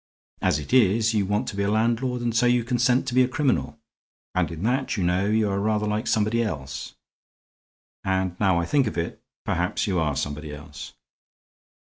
As it is, you want to be a landlord and so you consent to be a criminal. And in that, you know, you are rather like somebody else. And, now I think of it, perhaps you are somebody else."